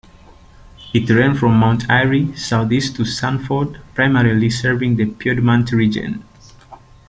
It ran from Mount Airy southeast to Sanford, primarily serving the Piedmont region.